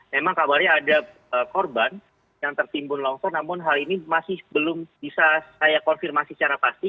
memang kabarnya ada korban yang tertimbun longsor namun hal ini masih belum bisa saya konfirmasi secara pasti